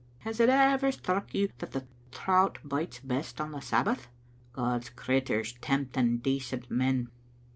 Has it ever struck you that the trouts bites best on the Sabbath? God's critturs tempt ing decent men.